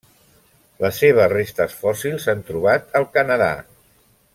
Les seves restes fòssils s'han trobat al Canadà.